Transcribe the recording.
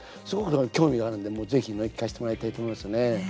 すごく興味があるんで、ぜひ聴かせてもらいたいと思いますね。